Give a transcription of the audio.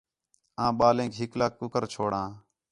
آں ٻالینک ہکلا کُکر چھوڑاں